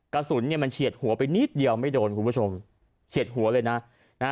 กระสุนเนี่ยมันเฉียดหัวไปนิดเดียวไม่โดนคุณผู้ชมเฉียดหัวเลยนะนะฮะ